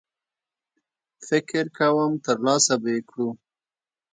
فکر کوم ترلاسه به یې کړو.